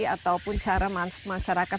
atau cara masyarakat